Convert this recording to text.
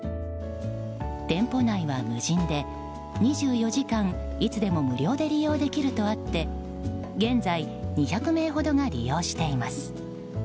店舗内は無人で２４時間いつでも無料で利用できるとあって現在２００名ほどが利用しています。